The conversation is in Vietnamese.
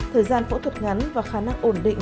thời gian phẫu thuật ngắn và khả năng ổn định